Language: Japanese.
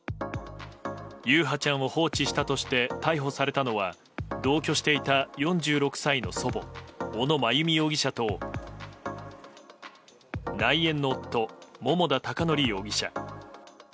優陽ちゃんを放置したとして逮捕されたのは同居していた４６歳の祖母小野真由美容疑者と内縁の夫・桃田貴徳容疑者。